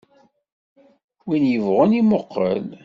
Win yebɣun imuqel.